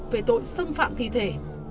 về tội xâm phạm thi thể